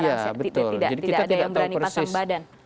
tidak ada yang berani pasang badan